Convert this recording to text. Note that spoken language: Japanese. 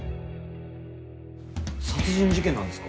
殺人事件なんですか？